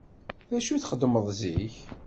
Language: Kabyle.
D acu i txeddmeḍ zik?